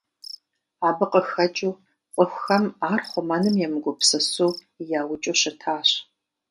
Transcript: Абы къыхэкӀыу цӀыхухэм ар хъумэным емыгупсысу яукӀыу щытащ.